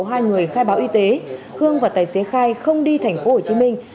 hai người khai báo y tế hương và tài xế khai không đi tp hcm